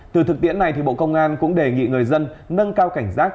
từ thực tiễn này bộ công an cũng đề nghị người dân nâng cao cảnh giác